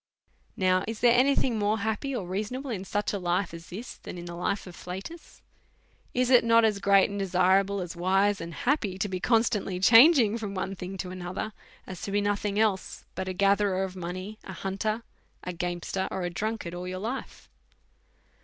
Now, is there any thing more happy or reasonable in such a life as this than in the life of Flatus? Is it not as great and desirable, as wise and happy, to be constantly changing from one thing to another, as to be iiothing else but a gatherer of money, a hunter, a gamester, or a drunkard, all your life?